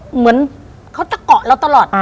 เหมือนเขาจะเกาะเราตลอด